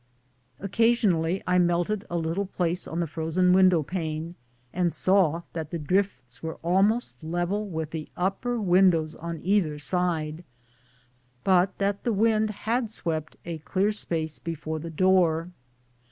Occasionally I melted a little place on the frozen window pane, and saw that the drifts were almost level with the upper windows on either side, but that the wind had swept a clear space before the door.